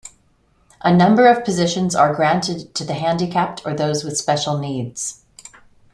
A number of positions are granted to the handicapped or those with special needs.